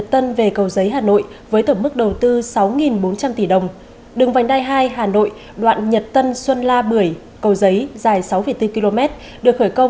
sinh viên trường đại học